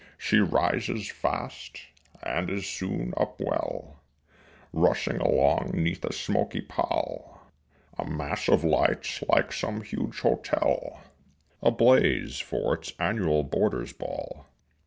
She rises fast, and is soon up well, Rushing along 'neath a smoky pall, A mass of lights like some huge hotel Ablaze for its annual boarders' ball.